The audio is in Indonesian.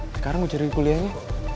sekarang gue cari kuliahnya